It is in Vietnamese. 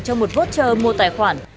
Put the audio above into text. cho một voucher mua tài khoản